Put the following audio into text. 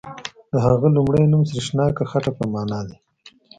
د هغه لومړی نوم سریښناکه خټه په معنا دی.